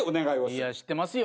いや知ってますよ。